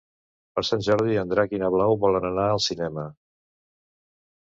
Per Sant Jordi en Drac i na Blau volen anar al cinema.